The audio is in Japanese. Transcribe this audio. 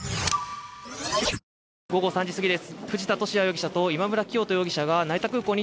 午後３時過ぎです。